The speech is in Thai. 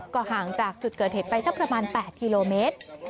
ก็ห่างจากจุดเกิดเหตุไปสักประมาณ๘กิโลเมตร